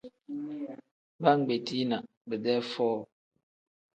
Baa ngbetii na bidee foo.